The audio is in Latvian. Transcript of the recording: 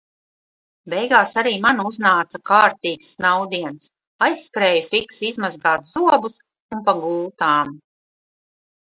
Beigās arī man uznāca kārtīgs snaudiens, aizskrēju fiksi izmazgāt zobus un pa gultām.